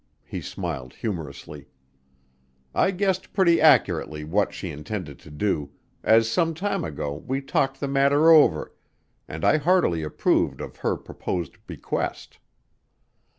He smiled humorously. "I guessed pretty accurately what she intended to do, as some time ago we talked the matter over, and I heartily approved of her proposed bequest."